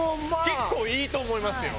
結構いいと思いますよ。